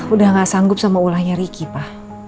udah gak sanggup sama ulahnya ricky pak